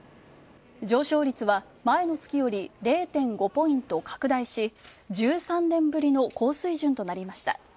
上昇率は前の月より０．５ポイント拡大し、１３年ぶりの高水準となりました。